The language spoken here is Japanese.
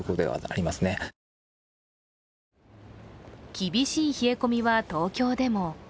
厳しい冷え込みは東京でも。